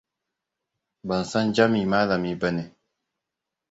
Ban san Jami malami ba ne.